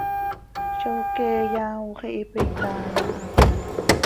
¡Zó queeya, ox ihiipe itaai aha!